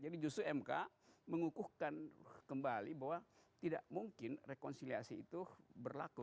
justru mk mengukuhkan kembali bahwa tidak mungkin rekonsiliasi itu berlaku